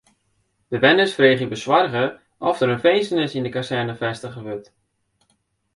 Bewenners freegje besoarge oft der in finzenis yn de kazerne fêstige wurdt.